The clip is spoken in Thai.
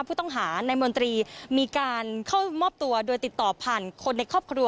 ผู้ต้องหาในมนตรีมีการเข้ามอบตัวโดยติดต่อผ่านคนในครอบครัว